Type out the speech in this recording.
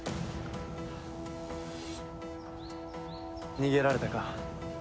逃げられたか。